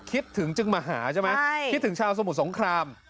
คิดถึงจึงมาหาใช่ไหมคิดถึงชาวสมุทรสงคราม